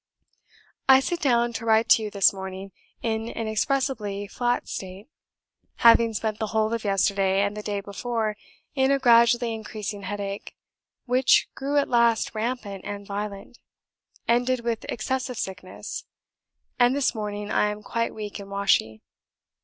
"I sit down to write to you this morning in an inexpressibly flat state; having spent the whole of yesterday and the day before in a gradually increasing headache, which grew at last rampant and violent, ended with excessive sickness, and this morning I am quite weak and washy.